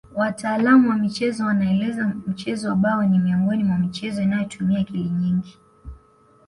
Wataalamu wa michezo wanaeleza mchezo wa bao ni miongoni mwa michezo inayotumia akili nyingi